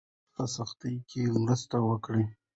په سختۍ کې مرسته وکړئ.